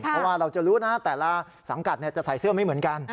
เพราะว่าเราจะรู้นะแต่ละสังกัดจะใส่เสื้อไม่เหมือนกัน